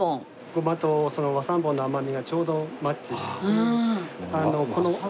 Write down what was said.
胡麻と和三盆の甘みがちょうどマッチして。